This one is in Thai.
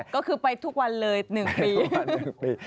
ก็คือไปทุกวันเลย๑ปี๑ปี